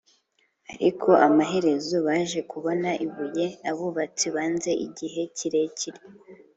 ariko amaherezo baje kubona ibuye abubatsi banze igihe kirekire